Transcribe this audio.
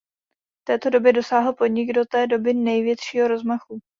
V této době dosáhl podnik do té doby největšího rozmachu.